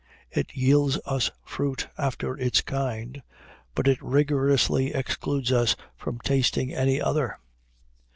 It yields us fruit after its kind, but it rigorously excludes us from tasting any other.